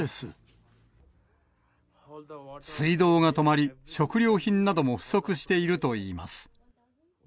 水道が止まり、食料品なども不足しているといいます。